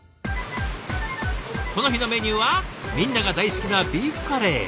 この日のメニューはみんなが大好きなビーフカレー。